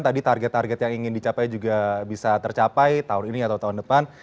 tadi target target yang ingin dicapai juga bisa tercapai tahun ini atau tahun depan